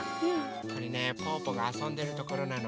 これねぽぅぽがあそんでるところなの。